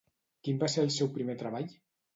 Quin va ser el seu primer treball?